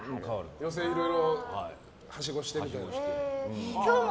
寄席いろいろはしごしてるみたいな。